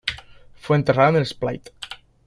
Fue enterrado en Split.